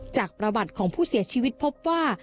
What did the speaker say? จากประวัติของผู้เสียชีวิตพบว่า